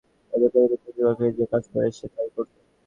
তাদের পরিবারে চাকরিবাকাররা যে-কাজ করে, সে তাই করত।